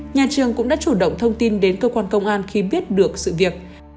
nhà trường cũng đã chủ động thông tin đến cơ quan công an khi biết được sự việc